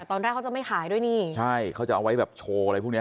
ตอนแรกเขาจะไม่ขายด้วยนี่ใช่เขาจะเอาไว้แบบโชว์อะไรพวกเนี้ย